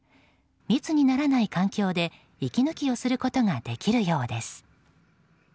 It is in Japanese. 密にならない環境で息抜きをすることができるようです。